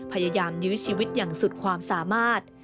พยายามยื้อชีวิตอย่างสุดความสามารถ